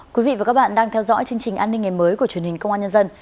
quý vị và các bạn đang theo dõi chương trình an ninh ngày mới của truyền hình công an nhân dân